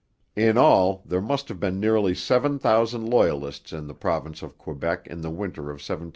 In all, there must have been nearly seven thousand Loyalists in the province of Quebec in the winter of 1783 84.